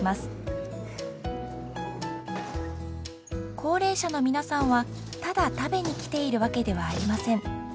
高齢者の皆さんはただ食べに来ているわけではありません。